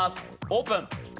オープン。